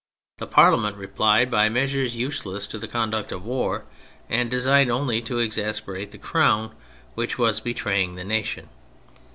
The Parliament replied by measures useless to the conduct of war, and designed only to exasperate the Crown, which was betraying the nation.